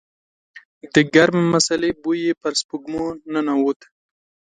د ګرمې مسالې بوی يې پر سپږمو ننوت.